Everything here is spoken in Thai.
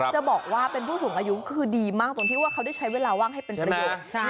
จะบอกว่าเป็นผู้สูงอายุคือดีมากตรงที่ว่าเขาได้ใช้เวลาว่างให้เป็นประโยชน์